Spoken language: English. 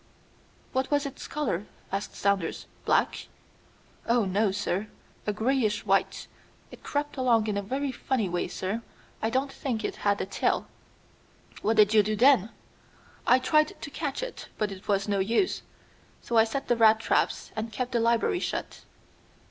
"What was its color?" asked Saunders; "black?" "Oh, no, sir, a grayish white. It crept along in a very funny way, sir. I don't think it had a tail." "What did you do then?" "I tried to catch it, but it was no use. So I set the rat traps and kept the library shut.